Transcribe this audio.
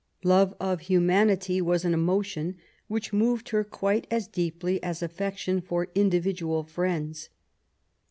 Loie of bnmanitj was an emotion wUdi moved ber ffoatit as deeply as affeetion fir indiridnal friends.